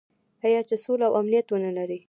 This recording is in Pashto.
آیا چې سوله او امنیت ونلري؟